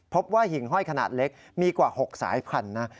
พบว่าหิ่งห้อยขนาดเล็กมีกว่า๖สายพันธุ์นะ